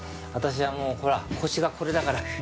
私はもうほら腰がこれだから。